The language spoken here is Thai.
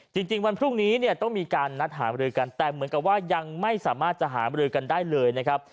จริงวันพรุ่งนี้เนี่ยต้องมีการนัดหามรือกันแต่เหมือนกับว่ายังไม่สามารถจะหามรือกันได้เลยนะครับ